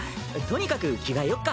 とにかく着替えよっか。